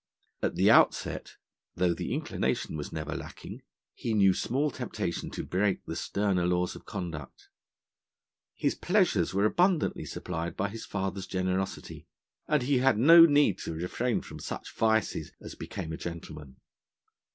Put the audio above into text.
At the outset, though the inclination was never lacking, he knew small temptation to break the sterner laws of conduct. His pleasures were abundantly supplied by his father's generosity, and he had no need to refrain from such vices as became a gentleman.